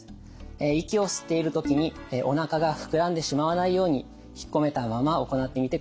息を吸っている時におなかが膨らんでしまわないようにひっこめたまま行ってみてください。